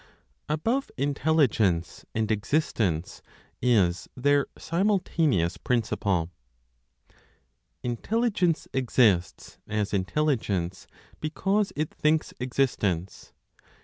ABOVE INTELLIGENCE AND EXISTENCE IS THEIR SIMULTANEOUS PRINCIPLE. Intelligence exists (as intelligence) because it thinks existence.